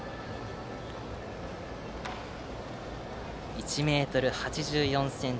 １ｍ８４ｃｍ